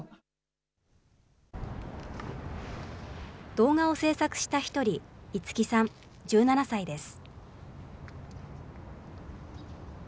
動画を制作した一人、樹さん１７歳です。